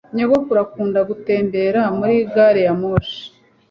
Nyogokuru akunda gutembera muri gari ya moshi.